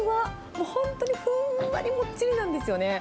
もう本当にふんわり、もっちりなんですよね。